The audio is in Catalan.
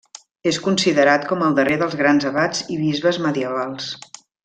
És considerat com el darrer dels grans abats i bisbes medievals.